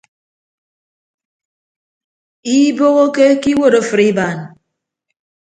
Iibohoke ke iwuot afịt ibaan.